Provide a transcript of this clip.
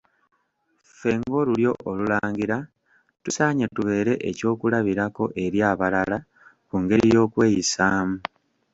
Ffe ng'Olulyo Olulangira tusaanye tubeere ekyokulabirako eri abalala ku ngeri y'okweyisaamu.